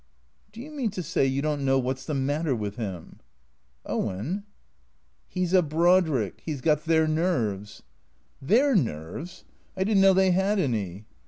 " Do you mean to say you don't know what 's the matter with him ?"" Owen "" He 's a Brodrick. He 's got their nerves." "Their nerves? I didn't know they had any."